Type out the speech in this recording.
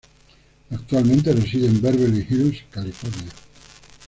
Actualmente reside en Beverly Hills, California.